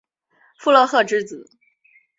傅勒赫之子。